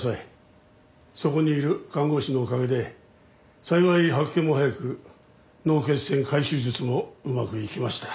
そこにいる看護師のおかげで幸い発見も早く脳血栓回収術もうまくいきました。